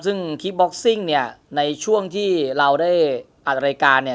ซึ่งคลิปบ็อกซิ่งในช่วงที่เราได้อัดรายการ